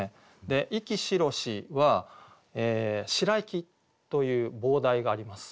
「息白し」は「白息」という傍題があります。